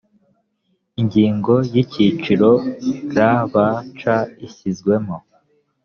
ingingo ya icyiciro rbc ishyizwemo